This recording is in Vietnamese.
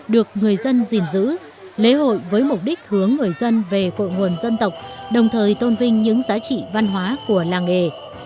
được người dân gìn giữ lễ hội với mục đích hướng người dân về cội nguồn dân tộc đồng thời tôn vinh những giá trị văn hóa của làng nghề